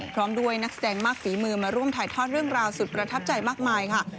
พร้อมด้วยนักแสดงมากฝีมือมาร่วมถ่ายทอดเรื่องราวสุดประทับใจมากมายค่ะ